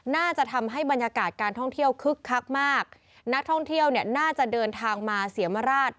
น่าจะทำให้บรรยากาศการท่องเที่ยวคึกคักมากนักท่องเที่ยวเนี่ยน่าจะเดินทางมาเสียมราช